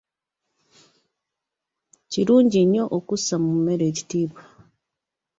Kirungi nnyo okussa mu mmere ekitiibwa.